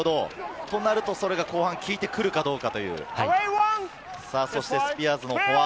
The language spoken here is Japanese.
それが後半、効いてくるかどうか。